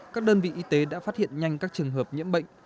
các đơn vị y tế đã phát hiện nhanh các trường hợp nhiễm bệnh